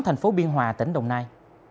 thành phố biên hòa tỉnh đồng nai